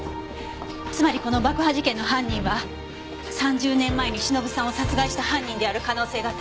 つまりこの爆破事件の犯人は３０年前に忍さんを殺害した犯人である可能性が高い。